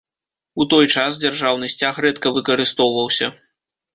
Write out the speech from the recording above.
У той час дзяржаўны сцяг рэдка выкарыстоўваўся.